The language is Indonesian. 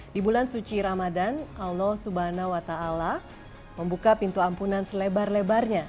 di bulan suci ramadan allah swt membuka pintu ampunan selebar lebarnya